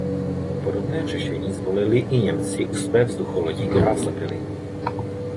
Podobné řešení zvolili i Němci u své vzducholodi Graf Zeppelin.